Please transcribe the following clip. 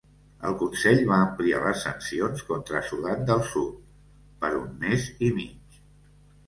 El Consell va ampliar les sancions contra Sudan del Sud per un mes i mig.